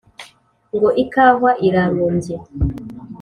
Ngo ikawa irarumbye